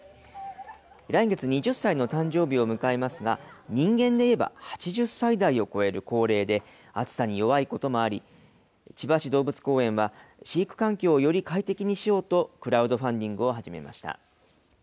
来月２０歳の誕生日を迎えますが、人間でいえば８０歳代を超える高齢で、暑さに弱いこともあり、千葉市動物公園は飼育環境をより快適にしようと、クラウドファンディングを始めました。